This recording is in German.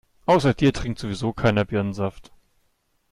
Außer dir trinkt sowieso keiner Birnensaft.